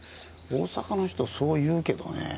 大阪の人そう言うけどね。